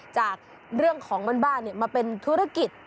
จากเรื่องของบ้านมาเป็นธุรกิจ